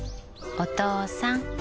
お父さん。